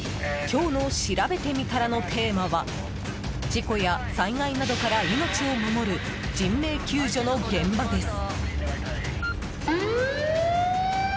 今日のしらべてみたらのテーマは事故や災害などから命を守る人命救助の現場です。